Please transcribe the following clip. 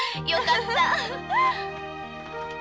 よかった。